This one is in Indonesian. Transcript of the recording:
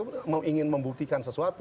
bahkan satu ingin membuktikan sesuatu